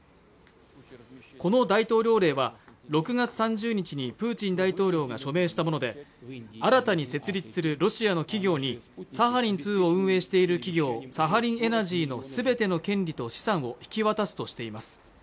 この大統領令は６月３０日にプーチン大統領が署名したもので新たに設立するロシアの企業にサハリン２を運営している企業サハリンエナジーのすべての権利と資産を引き渡すとしています